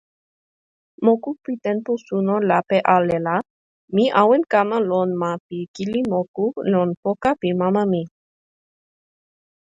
moku pi tenpo suno lape ale la, mi awen kama lon ma pi kili moku lon poka pi mama mi.